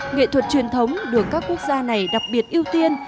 nghệ thuật truyền thống được các quốc gia này đặc biệt ưu tiên